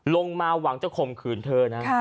ลงมาหวังจะข่มขืนเธอนะ